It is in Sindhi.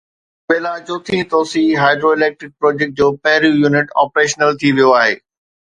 تربيلا چوٿين توسيع هائيڊرو اليڪٽرڪ پروجيڪٽ جو پهريون يونٽ آپريشنل ٿي ويو آهي